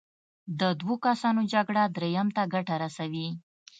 د دوو کسانو جګړه دریم ته ګټه رسوي.